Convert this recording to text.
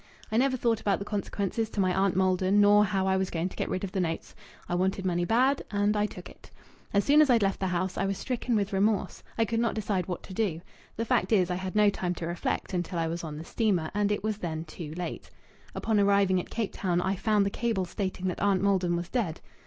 I never thought about the consequences to my Aunt Maldon, nor how I was going to get rid of the notes. I wanted money bad, and I took it. As soon as I'd left the house I was stricken with remorse. I could not decide what to do. The fact is I had no time to reflect until I was on the steamer, and it was then too late. Upon arriving at Cape Town I found the cable stating that Aunt Maldon was dead.